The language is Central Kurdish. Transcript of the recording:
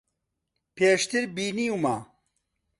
پێشتر بینیومە.